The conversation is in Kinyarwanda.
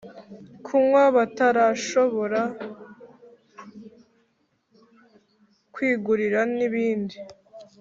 kunywa batarashobora kwigurira n’ibindi.